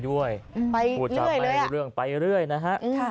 ความสังเกต